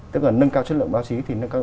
tức là nâng cao chất lượng báo chí